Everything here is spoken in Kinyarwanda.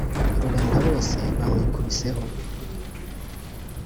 rubanda bose bamwikubiyeho